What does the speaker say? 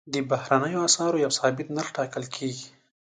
د بهرنیو اسعارو سره یو ثابت نرخ ټاکل کېږي.